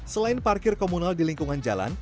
selain parkir komunal di lingkungan jalan